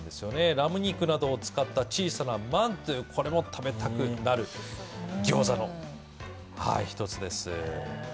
ラム肉などを使った小さなマントゥ、これも食べたくなるギョウザの一つです。